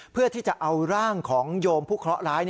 เพื่อที่จะเอาร่างของโยมพุคละร้าย